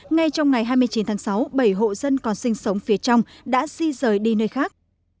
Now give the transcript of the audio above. ngay trong ngày hai mươi chín tháng sáu bảy hộ dân còn sinh sống phía trong đã di rời đi nơi khác